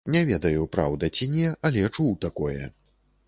Не ведаю, праўда ці не, але чуў такое.